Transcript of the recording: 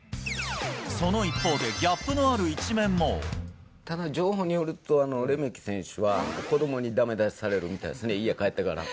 その一方で、ただ情報によると、レメキ選手は子どもにだめ出しされるみたいですね、家帰ってから。